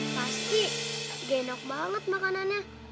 pasti genok banget makanannya